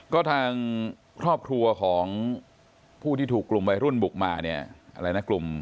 ก็ทางครอบครัวของผู้ที่ถูกกลุ่มไปรุ่นบุกมาเนี่ย